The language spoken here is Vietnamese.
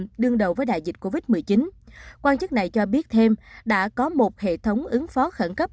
ứng đầu với đại dịch covid một mươi chín quan chức này cho biết thêm đã có một hệ thống ứng phó khẩn cấp